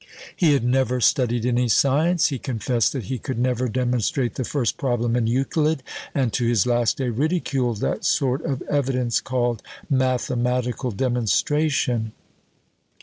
He had never studied any science; he confessed that he could never demonstrate the first problem in Euclid, and to his last day ridiculed that sort of evidence called mathematical demonstration.